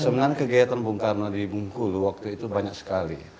sebenarnya kegiatan bung karno di bungkulu waktu itu banyak sekali